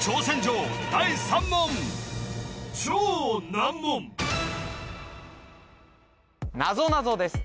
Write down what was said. なぞなぞです